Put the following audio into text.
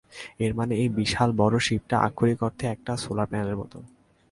এর মানে এই বিশাল বড় শিপটা আক্ষরিক অর্থেই একটা সোলার প্যানেলের মতো।